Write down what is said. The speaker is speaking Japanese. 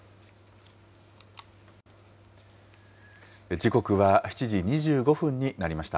時刻は７時２５分になりました。